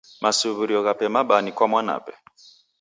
Masuw'irio ghape mabaa ni kwa mwanape.